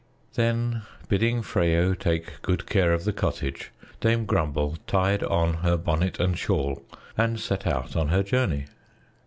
Then, bidding Freyo take good care of the cottage, Dame Grumble tied on her bonnet and shawl and set out on her journey.